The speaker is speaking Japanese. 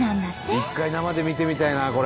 一回生で見てみたいなこれ。